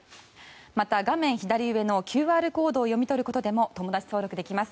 また、画面左上のＱＲコードを読み取ることでもお願いいたします。